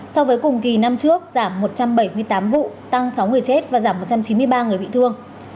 so với cùng kỳ năm trước giảm một trăm bảy mươi tám vụ tăng sáu người chết và giảm một trăm chín mươi ba người bị thương